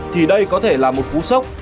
thì đây có thể là một cú sốc